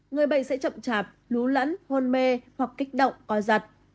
người bệnh sẽ chậm chạp lú lẫn hôn mê hoặc kích động coi giật